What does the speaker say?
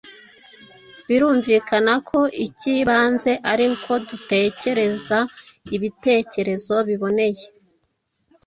birumvikana ko icy’ibanze ari uko dutekereza ibitekerezo biboneye.